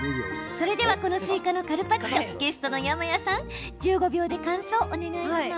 それではこのスイカのカルパッチョゲストの山谷さん１５秒で感想お願いします。